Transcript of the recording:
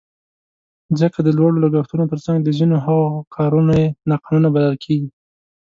ځکه د لوړو لګښتونو تر څنګ د ځینو هغو کارونه یې ناقانونه بلل کېږي.